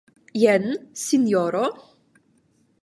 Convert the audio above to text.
Jen, Sinjoro.